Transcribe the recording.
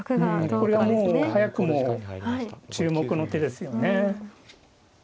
これはもう早くも注目の手ですよね。